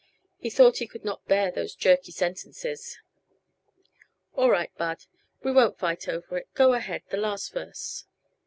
He thought he could not bear those jerky sentences. "All right Bud. We won't fight over it. Go ahead. The last verse."